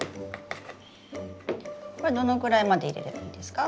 これどのくらいまで入れればいいですか？